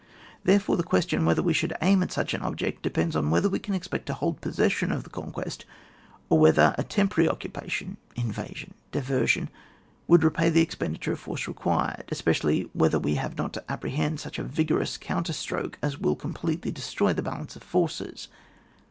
Therefore, the question whether we should aim at such an object depends on whether we can expect to hold possession of the conquest or whether a temporary occupation (invasion, diversion) would re pay the expenditure of force required : especially, whether we have not to ap prehend such a vigorous counterstroke as will completely destroy the balance of forces.